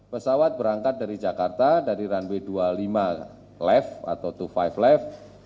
pesawat berangkat dari jakarta dari runway dua puluh lima left atau dua lima life